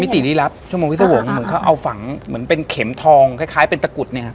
มิติดีลับชมวงวิทยาวงศ์เหมือนเขาเอาฝังเหมือนเป็นเข็มทองคล้ายคล้ายเป็นตะกุดเนี้ย